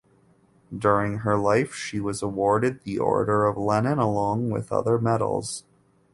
During her life she was awarded the Order of Lenin along with other medals.